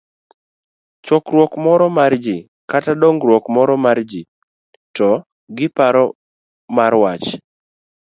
chokruok moro mar ji, kata dongruok moro mar ji, to gi paro mar wach